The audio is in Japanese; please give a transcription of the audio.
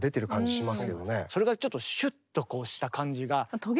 それがちょっとシュッとこうした感じが。